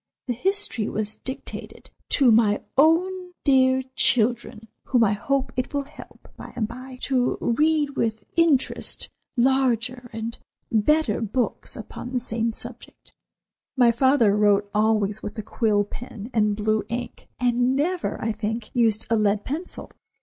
The history was dedicated: "To my own dear children, whom I hope it will help, by and by, to read with interest larger and better books upon the same subject." My father wrote always with a quill pen and blue ink, and never, I think, used a lead pencil.